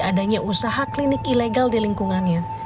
adanya usaha klinik ilegal di lingkungannya